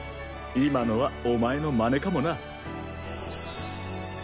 今のはお前の真似かもな。